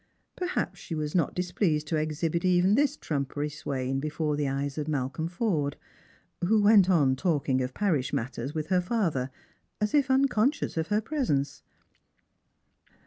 Perhaps she was not displeased to exhibit even this trumpery swain before the eyes of Malcolm Forde — who went on talking of parish matters with her father, as if unconscious of her presence.